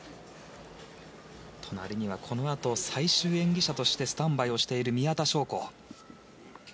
隣には、このあと最終演技者としてスタンバイをしている宮田笙子。